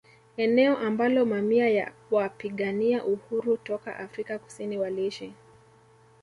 Eneo ambalo mamia ya wapigania uhuru toka Afrika Kusini waliishi